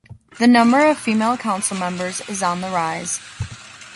The number of female council members is on the rise.